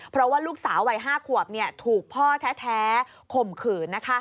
เพราะว่าลูกสาววัย๕ขวบถูกพ่อแท้ข่มขืน